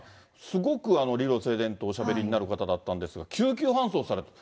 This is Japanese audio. すごく理路整然とおしゃべりになる方だったんですが、救急搬送された。